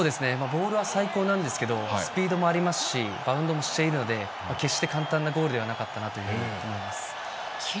ボールは最高なんですけどスピードもありますしバウンドもしているので決して簡単なゴールではなかったなというふうに思います。